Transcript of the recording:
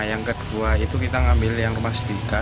yang kedua itu kita ngambil yang rumah sita